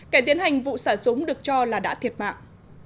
kẻ tiến hành vụ xả súng được cho là đã thiệt mạng